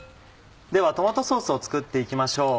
ではトマトソースを作って行きましょう。